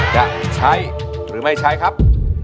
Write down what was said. จะใช้หรือไม่ใช้ครับ